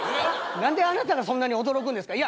何であなたがそんなに驚くんですか？